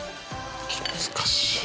難しい。